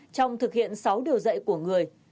trong thực hiện sáu điều dạy của người